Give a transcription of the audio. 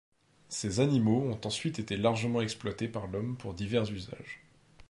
Ces animaux ont ensuite été largement exploités par l'homme pour divers usages.